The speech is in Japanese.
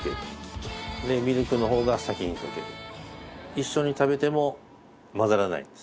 一緒に食べても混ざらないんです